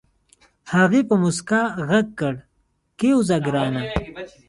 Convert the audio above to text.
هغې په موسکا غږ کړ کېوځه ګرانه.